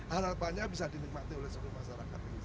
harapannya bisa dinikmati oleh masyarakat